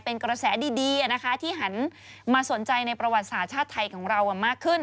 เป็นกระแสดีที่หันมาสนใจในประวัติศาสตร์ชาติไทยของเรามากขึ้น